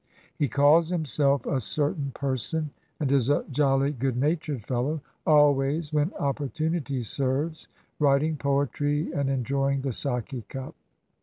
He calls himself "a certain person," and is a jolly good natured fellow; always, when oppor tunity serves, writing poetry and enjoying the sake cup.